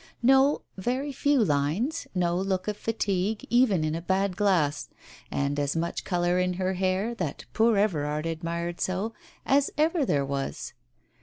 No, very few lines, no look of fatigue, even in a bad glass ! And as much colour in her hair, that poor Everard admired so, as ever there was